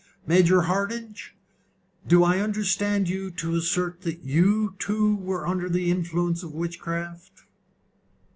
Major Hardinge, do I understand you to assert that you too were under the influence of witchcraft?"